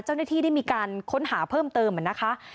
เจ้าหน้าที่ได้มีการค้นหาเพิ่มเติมนะคะ